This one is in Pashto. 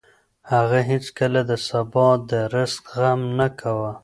هغه هېڅکله د سبا د رزق غم نه کاوه.